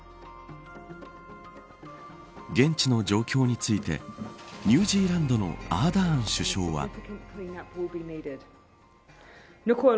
現地の状況についてニュージーランドのアーダーン首相は。